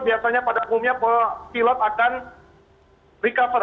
biasanya pada umumnya pilot akan recover